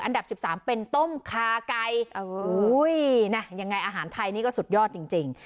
อันดับสิบสามเป็นต้มคาไก่ะอืมอุ้ยน่ะยังไงอาหารไทยนี้ก็สุดยอดจริงจริง